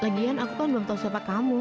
lagian aku kan belum tahu siapa kamu